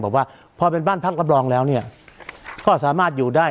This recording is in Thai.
บอกว่าพอเป็นบ้านพักรับรองแล้วเนี่ยก็สามารถอยู่ได้